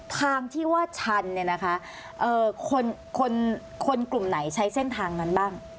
ทางที่ว่าชันเนี่ยนะคะคนกลุ่มไหนใช้เส้นทางนั้นบ้าง